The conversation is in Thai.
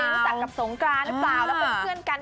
รู้จักกับสงกรานหรือเปล่าแล้วเป็นเพื่อนกัน